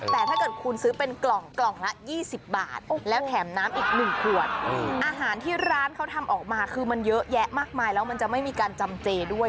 แต่ถ้าเกิดคุณซื้อเป็นกล่องกล่องละ๒๐บาทแล้วแถมน้ำอีก๑ขวดอาหารที่ร้านเขาทำออกมาคือมันเยอะแยะมากมายแล้วมันจะไม่มีการจำเจด้วย